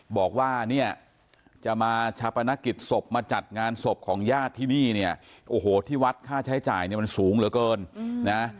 บอกว่าเนี่ยจะมาชาปนกิจศพมาจัดงานศพของญาติที่นี่เนี่ยโอ้โหที่วัดค่าใช้จ่ายเนี่ยมันสูงเหลือเกินนะ